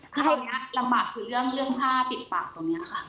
คืออันนี้ลำบากคือเรื่องผ้าปิดปากตรงนี้ค่ะ